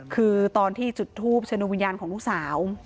คือตอนที่จุดทูปเชิญวิญญาณของลูกสาว